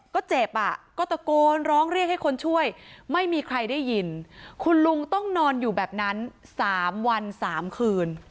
ก็เจ็บอ่ะก็ตะโกนร้องเรียกให้คนช่วยไม่มีใครได้ยินคุณลุงต้องนอนอยู่แบบนั้น๓วัน๓คืน